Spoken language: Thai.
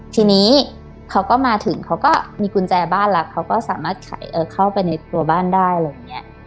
ทีนี้เขาก็มาถึงเขาก็มีกุญแจบ้านแล้วเขาก็สามารถเข้าไปในตัวบ้านได้อะไรอย่างนี้